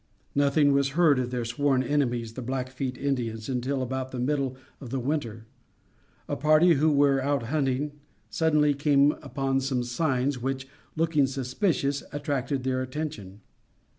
Nothing was heard of their sworn enemies, the Blackfeet Indians until about the middle of the winter. A party who were out hunting suddenly came upon some signs which, looking suspicious, attracted their attention.